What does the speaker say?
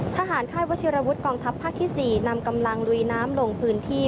ค่ายวัชิรวุฒิกองทัพภาคที่๔นำกำลังลุยน้ำลงพื้นที่